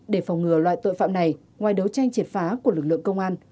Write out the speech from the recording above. để phòng ngừa loại tội phạm này ngoài đấu tranh triệt phá của lực lượng công an